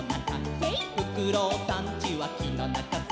「フクロウさんちはきのなかさ」